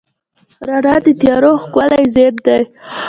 رڼا د تیارو ښکلی ضد دی.